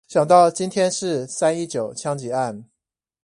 想到今天是三一九槍擊案